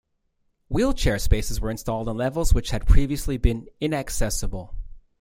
Wheelchair spaces were installed on levels which had previously been inaccessible.